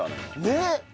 ねっ！